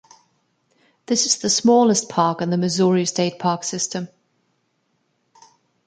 This is the smallest park in the Missouri state park system.